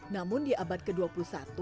namun di abad ke dua puluh satu